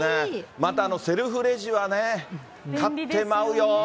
またセルフレジはね、買ってまうよ。